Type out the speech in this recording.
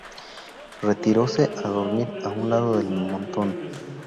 retiróse á dormir á un lado del montón.